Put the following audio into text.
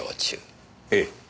ええ。